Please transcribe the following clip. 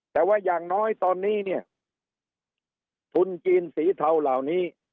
แต่ว่าอย่างน้อยตอนนี้เนี่ยทุนจีนสีเทาเหล่านี้